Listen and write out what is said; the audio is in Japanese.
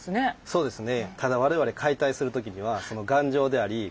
そうですね。